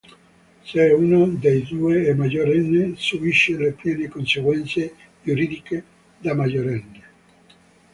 Se è uno dei due è maggiorenne, subisce le piene conseguenze giuridiche da maggiorenne.